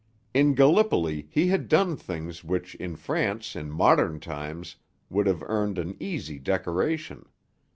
In Gallipoli he had done things which in France in modern times would have earned an easy decoration.